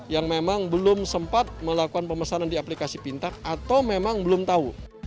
yang memang belum sempat melakukan pemesanan di aplikasi pintar atau memang belum tahu